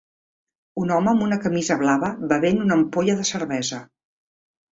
Un home amb una camisa blava bevent una ampolla de cervesa.